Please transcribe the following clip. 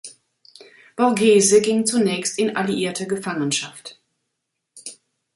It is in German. Borghese ging zunächst in alliierte Gefangenschaft.